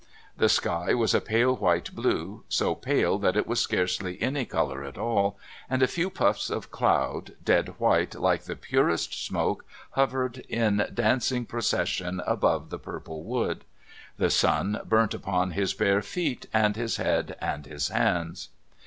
The sky was a pale white blue, so pale that it was scarcely any colour at all and a few puffs of clouds, dead white like the purest smoke, hovered in dancing procession, above the purple wood. The sun burnt upon his bare feet and his head and his hands.